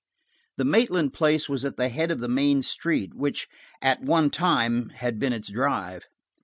The Maitland place was at the head of the main street, which had at one time been its drive.